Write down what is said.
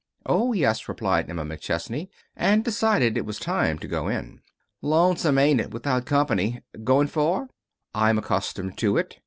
"Oh, yes," replied Emma McChesney, and decided it was time to go in. "Lonesome, ain't it, without company? Goin' far?" "I'm accustomed to it.